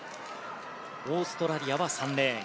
オーストラリアは３レーン。